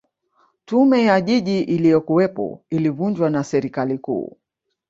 tume ya jiji iliyokuwepo ilivunjwa na serikali kuu